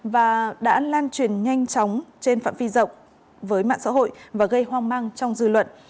và đã lan truyền nhanh chóng trên phạm vi rộng với mạng xã hội và gây hoang mang trong dư luận